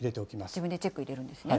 自分でチェック入れるんですね？